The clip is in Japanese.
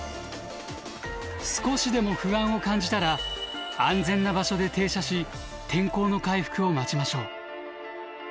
少しでも不安を感じたら安全な場所で停車し天候の回復を待ちましょう。